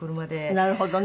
なるほどね。